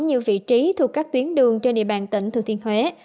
nhiều vị trí thuộc các tuyến đường trên địa bàn tỉnh thừa thiên huế